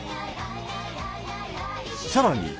さらに。